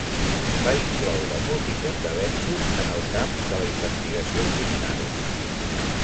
Va incloure multitud d'avenços en el camp de la investigació criminal.